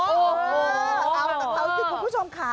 สาวจิตของคุณผู้ชมค่ะ